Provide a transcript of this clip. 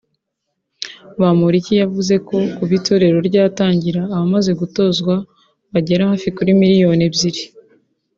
Bamporiki yavuze ko kuva itorero ryatangira abamaze gutozwa bagera hafi kuri miliyoni ebyiri